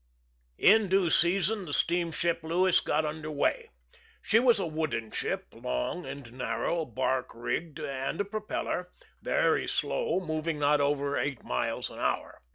In due season the steamship Lewis got under weigh. She was a wooden ship, long and narrow, bark rigged, and a propeller; very slow, moving not over eight miles an hour.